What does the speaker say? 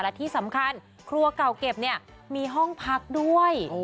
และที่สำคัญครัวเก่าเก็บเนี่ยมีห้องพักด้วย